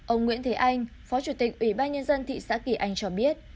ông nguyễn thế anh phó chủ tịch ủy ban nhân dân thị xã kỳ anh cho biết